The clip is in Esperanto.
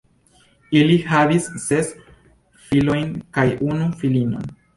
Ili havis ses filojn kaj unu filinon.